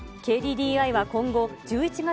ＫＤＤＩは今後、１１月１０